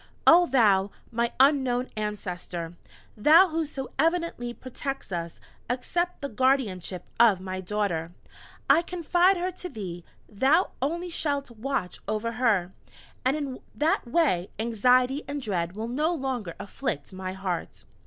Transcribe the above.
"Oh, thou! my unknown Ancestor! Thou who so evidently protects us, accept the guardianship of my Daughter; I confide her to thee; thou only shalt watch over her, and in that way anxiety and dread will no longer afflict my heart!"